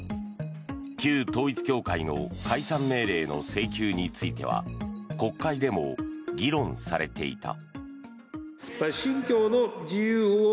旧統一教会の解散命令の請求については国会でも議論されていた。